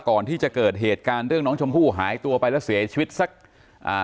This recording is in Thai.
ก่อนที่จะเกิดเหตุการณ์เรื่องน้องชมพู่หายตัวไปแล้วเสียชีวิตสักอ่า